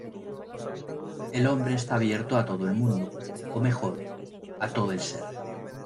El hombre está abierto a todo el mundo, o mejor, a todo el ser.